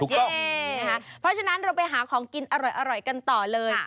เพราะฉะนั้นเราไปหาของกินอร่อยกันต่อเลย